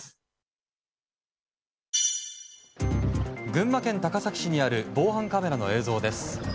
群馬県高崎市にある防犯カメラの映像です。